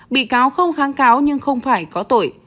bị cáo không kháng cáo nhưng không phải có tội